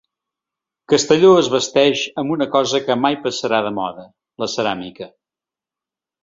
Castelló es vesteix amb una cosa que mai passarà de moda, la ceràmica.